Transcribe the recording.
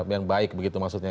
yang baik begitu maksudnya